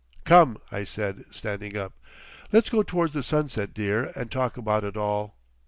"Come!" I said, standing up; "let's go towards the sunset, dear, and talk about it all.